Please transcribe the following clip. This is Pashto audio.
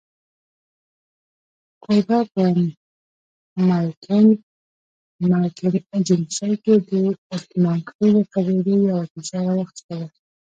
کوربه په ملکنډ ایجنسۍ کې د اتمانخېلو قبیلې یوه کیسه راواخسته.